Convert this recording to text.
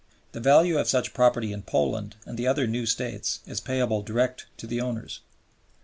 The value of such property in Poland and the other new States is payable direct to the owners.